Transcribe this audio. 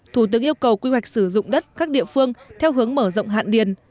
thủ tướng yêu cầu quy hoạch sử dụng đất các địa phương theo hướng mở rộng hạn điền